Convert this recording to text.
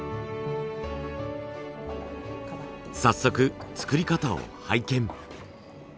早速作り方を拝見。